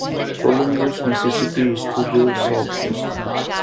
Columbus, Mississippi, is to the southwest.